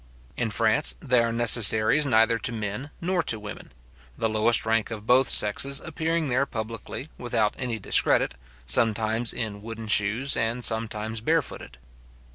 In France, they are necessaries neither to men nor to women; the lowest rank of both sexes appearing there publicly, without any discredit, sometimes in wooden shoes, and sometimes barefooted.